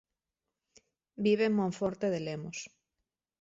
Vive en Monforte de Lemos.